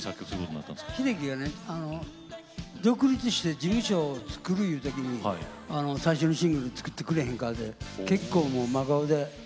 秀樹がね独立して事務所を作るいう時に最初のシングル作ってくれへんかって結構真顔で言われて。